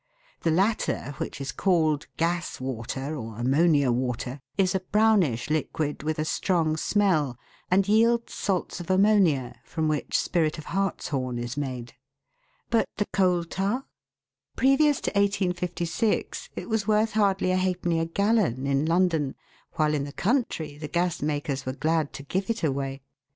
The latter, which is called gas water, or ammonia water, is a brownish liquid, with a strong smell, and yields salts of ammonia, from which spirit of hartshorn is made. But the coal tar? Previous to 1856 it was worth hardly |d. a gallon in London, while in the country the gas makers were glad to give it away.